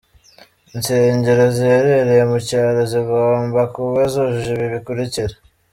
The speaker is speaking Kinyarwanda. Insengero ziherereye mu cyaro zigomba kuba zujuje ibi bikurikira:.